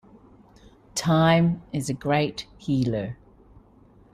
Time is a great healer.